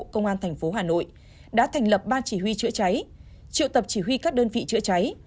công an tp hà nội đã thành lập ba chỉ huy chữa cháy triệu tập chỉ huy các đơn vị chữa cháy